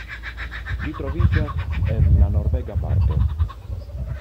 Ĝi troviĝas en la norvega parto.